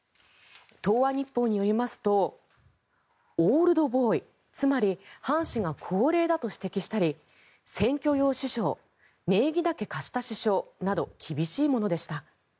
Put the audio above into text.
東亜日報によりますとオールドボーイつまり、ハン氏が高齢だと指摘したり選挙用首相名義だけ貸した首相など厳しいものでした。